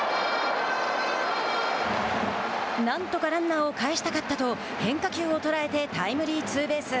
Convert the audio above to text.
なんとかランナーを帰したかったと変化球を捉えてタイムリーツーベース。